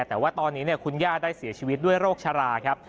แต่ว่าตอนนี้คุณย่าได้เสียชีวิตด้วยโรคชราครับ